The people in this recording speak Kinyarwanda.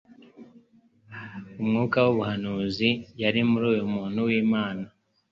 Umwuka w'ubuhanuzi yari muri uyu muntu w'Imana,